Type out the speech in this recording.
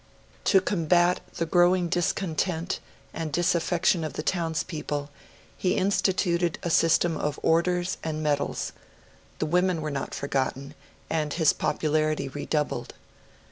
To combat the growing discontent and disaffection of the townspeople, he instituted a system of orders and medals; the women were not forgotten; and his popularity redoubled.